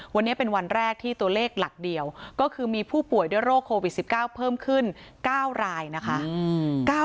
วันนี้เป็นวันแรกที่ตัวเลขหลักเดียวก็คือมีผู้ป่วยด้วยโรคโควิด๑๙เพิ่มขึ้น๙รายนะคะ